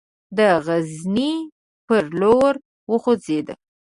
د غزني پر لور وخوځېدی.